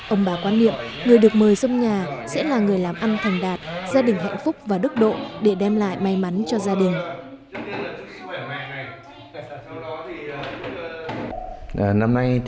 ông bà quan niệm người được mời sông nhà sẽ là người làm ăn thành đạt gia đình hạnh phúc và đức độ để đem lại may mắn